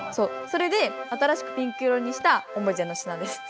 それで新しくピンク色にした思い出の品です。